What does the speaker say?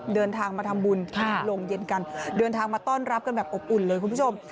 เดินทางมาทำบุญโรงเย็นกันเดินทางมาต้อนรับกันแบบอบอุ่นเลยคุณผู้ชม